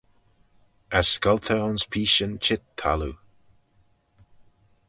As scoltey ayns peeshyn çheet thalloo.